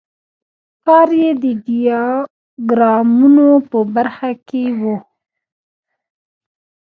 کار یې د ډیاګرامونو په برخه کې و.